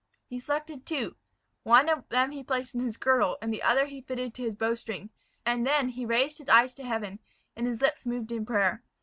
He selected two: one of them he placed in his girdle, the other he fitted to his bow string; and then he raised his eyes to Heaven, and his lips moved in prayer.